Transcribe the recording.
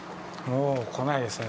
もう来ないですね。